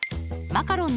マカロン！